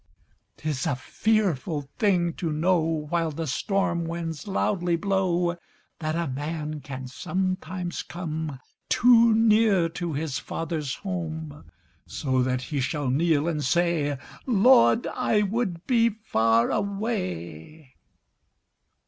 'Tis a fearful thing to know, While the storm winds loudly blow, That a man can sometimes come Too near to his father's home; So that he shall kneel and say, "Lord, I would be far away!"